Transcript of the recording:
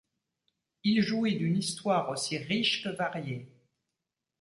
Il jouit d'une histoire aussi riche que variée.